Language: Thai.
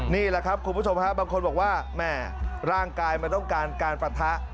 นี่แหละครับคุณผู้ชมฮะบางคนบอกว่าแม่ร่างกายมันต้องการการปะทะ